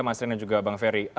mas rina juga bang ferry